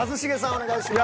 お願いします。